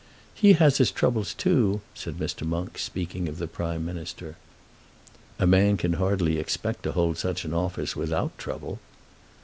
"He has his troubles, too," said Mr. Monk, speaking of the Prime Minister. "A man can hardly expect to hold such an office without trouble."